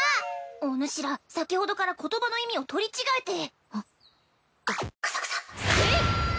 おぬしら先ほどから言葉の意味を取り違えてあっカサカサせいっ！